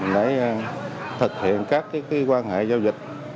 để thực hiện các cái quan hệ giao dịch